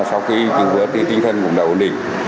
sau khi cứu vớt thì tinh thần cũng đã ổn định